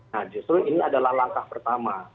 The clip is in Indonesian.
nah justru ini adalah langkah pertama